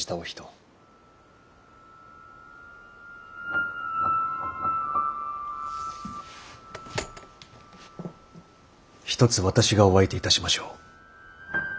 ひとつ私がお相手いたしましょう。